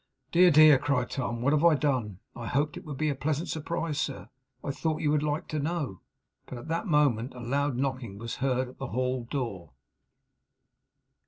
'Dear, dear!' cried Tom, 'what have I done? I hoped it would be a pleasant surprise, sir. I thought you would like to know.' But at that moment a loud knocking was heard at the hall door.